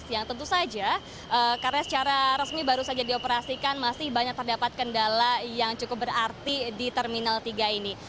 yang tentu saja karena secara resmi baru saja dioperasikan masih banyak terdapat kendala yang cukup berarti di terminal tiga ini